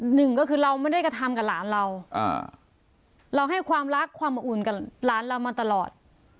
หนึ่งก็คือเราไม่ได้กระทำกับหลานเราเราให้ความรักความอบอุ่นกับหลานเรามาตลอด